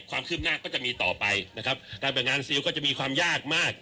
ความคืบหน้าก็จะมีต่อไปนะครับการแบ่งงานซิลก็จะมีความยากมาก